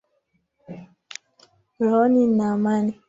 Rohoni nina amani.